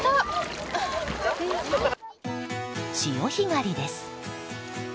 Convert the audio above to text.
潮干狩りです。